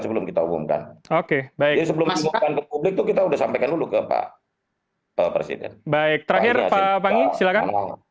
sebelum kita umumkan oke baik sebelum kita udah sampaikan dulu ke pak presiden baik terakhir silakan